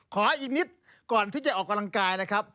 ขออีกนิดก่อนที่จะออกกำลังกายนะครับ